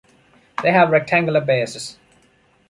They have rectangular bases.